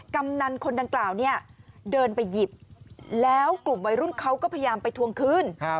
กำนันคนดังกล่าวเนี่ยเดินไปหยิบแล้วกลุ่มวัยรุ่นเขาก็พยายามไปทวงคืน